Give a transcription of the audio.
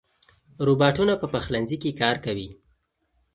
روباټونه په پخلنځي کې کار کوي.